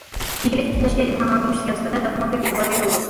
ئىگىلىك تىكلەشكە ئىلھاملاندۇرۇش سىياسىتىدە تېخىمۇ كۆپ ئېتىبار بېرىلىدۇ.